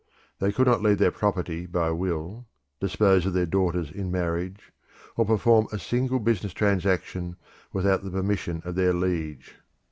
They could not leave their property by will, dispose of their daughters in marriage, or perform a single business transaction without the permission of their liege.